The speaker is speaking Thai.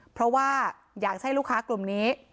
เพราะว่าอยากให้ลูกค้ากลุ่มนี้